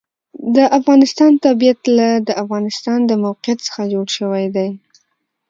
د افغانستان طبیعت له د افغانستان د موقعیت څخه جوړ شوی دی.